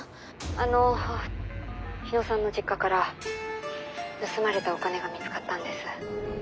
あの日野さんの実家から盗まれたお金が見つかったんです。